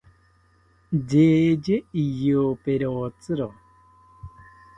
Yeye riyoperotziro